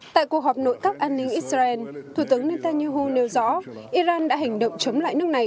tại cuộc họp nội các an ninh israel thủ tướng netanyahu nêu rõ iran đã hành động chống lại nước này